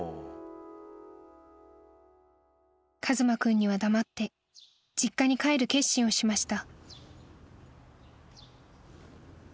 ［一馬君には黙って実家に帰る決心をしました］